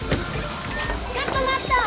ちょっとまった！